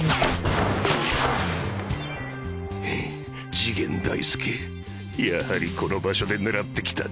次元大介やはりこの場所で狙って来たな。